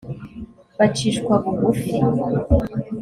bacishwa bugufi